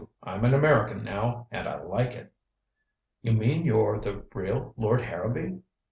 I'm an American now, and I like it." "You mean you're the real Lord Harrowby?"